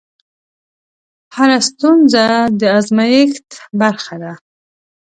هره ستونزه د ازمېښت برخه ده.